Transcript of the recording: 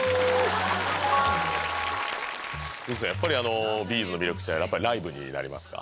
やっぱり「Ｂ’ｚ」の魅力ってやっぱりライブになりますか？